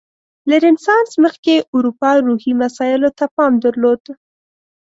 له رنسانس مخکې اروپا روحي مسایلو ته پام درلود.